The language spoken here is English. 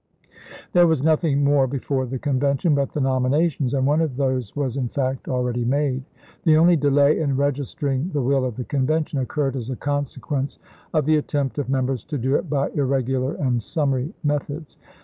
pp 556 558. There was nothing more before the Convention but the nominations, and one of those was in fact already made. The only delay in registering the will of the Convention occurred as a consequence of the attempt of members to do it by irregular and summary methods.